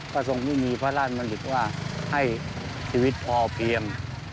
ก็ทรงที่นี้พระราชมนิตว่าให้ชีวิตพอเพียง